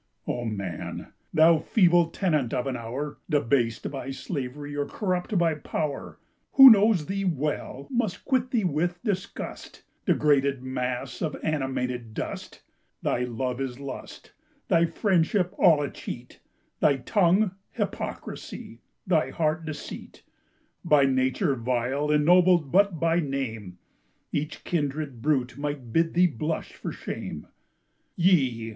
Oh, man! thou feeble tenant of an hour, Debased by slavery or corrupt by power, Who knows thee well must quit thee with disgust, Degraded mass of animated dust! Thy love is lust, thy friendship all a cheat, Thy smiles hypocrisy, thy words deceit! By nature vile, ennobled but by name, Each kindred brute might bid thee blush for shame. Ye!